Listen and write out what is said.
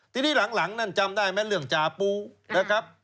ทีนี้หลังนั่นจำได้ไหมเรื่องจาปูนะครับ